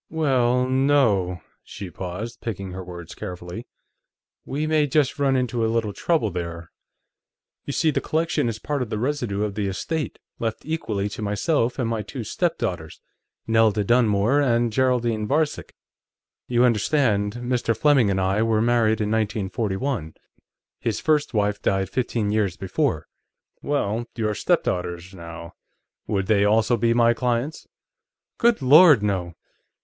"Well, no." She paused, picking her words carefully. "We may just run into a little trouble, there. You see, the collection is part of the residue of the estate, left equally to myself and my two stepdaughters, Nelda Dunmore and Geraldine Varcek. You understand, Mr. Fleming and I were married in 1941; his first wife died fifteen years before." "Well, your stepdaughters, now; would they also be my clients?" "Good Lord, no!"